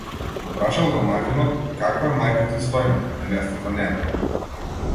го прашал домаќинот, како е мајка ти Стојна, невестата Неда?